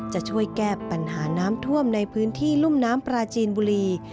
จะช่วยแก้ปัญหาน้ำท่วมในพื้นที่รุ่มน้ำปราจีนบุรี